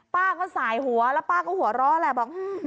ป้าก็สายหัวและป้าก็หัวแล้วแบบ